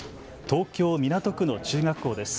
東京・港区の中学校です。